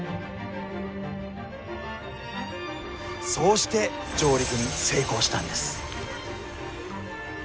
そうして上陸に成功したんです。